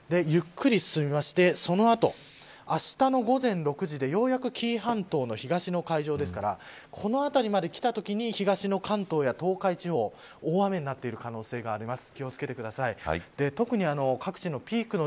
ゆっくり進みまして、その後あしたの午前６時でようやく紀伊半島の東の海上ですからこの辺りまできたときに東の関東や東海地方大雨になってる可能性があります。